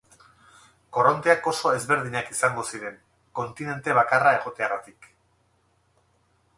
Korronteak oso ezberdinak izango ziren, kontinente bakarra egoteagatik.